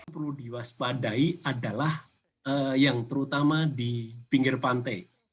perlu diwaspadai adalah yang terutama di pinggir pantai